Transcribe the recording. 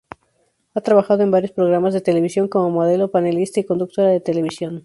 Ha trabajado en varios programas de televisión, como modelo, panelista y conductora de televisión.